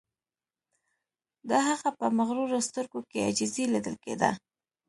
د هغه په مغرورو سترګو کې عاجزی لیدل کیده